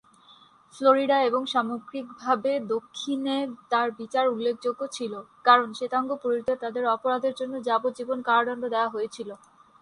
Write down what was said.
Florida এবং সামগ্রিকভাবে দক্ষিণে তার বিচার উল্লেখযোগ্য ছিল, কারণ শ্বেতাঙ্গ পুরুষদের তাদের অপরাধের জন্য যাবজ্জীবন কারাদণ্ড দেওয়া হয়েছিল।